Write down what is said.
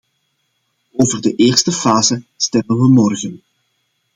Over de eerste fase stemmen we morgen.